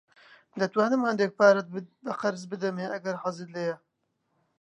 دەتوانم هەندێک پارەت بە قەرز بدەمێ ئەگەر حەزت لێیە.